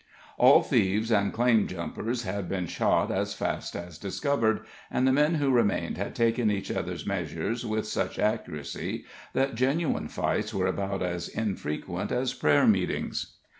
All thieves and claim jumpers had been shot as fast as discovered, and the men who remained had taken each other's measures with such accuracy, that genuine fights were about as unfrequent as prayer meetings.